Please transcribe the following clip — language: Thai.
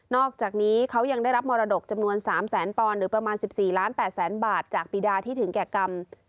อกจากนี้เขายังได้รับมรดกจำนวน๓แสนปอนด์หรือประมาณ๑๔ล้าน๘แสนบาทจากปีดาที่ถึงแก่กรรม